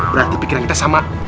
berarti pikiran kita sama